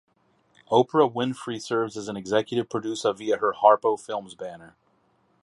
Oprah Winfrey serves as an executive producer via her Harpo Films banner.